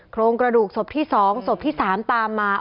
โครงกระดูกศพที่๒ศพที่๓ตามมา